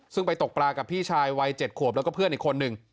ซึ่งไปตกปลากับพี่ชายวัย๗ขวบแล้วก็เพื่อนอีกคนนึง